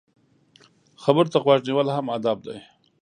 خبرو ته غوږ نیول هم ادب دی.